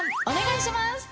お願いします。